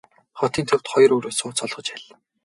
Хотын төвд хоёр өрөө сууц олгож аль.